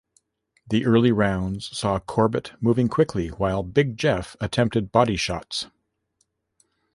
The early rounds saw Corbett moving quickly while "Big Jeff" attempted body shots.